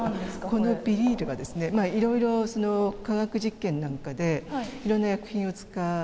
このビニールはですね、いろいろ化学実験なんかで、いろんな薬品を使う。